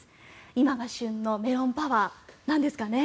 今が旬のメロンパワーなんですかね。